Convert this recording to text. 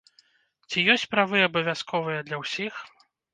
Ці ёсць правы абавязковыя для ўсіх?